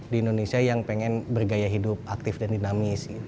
di indonesia yang pengen bergaya hidup aktif dan dinamis